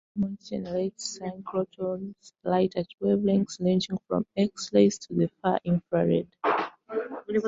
Diamond generates synchrotron light at wavelengths ranging from X-rays to the far infrared.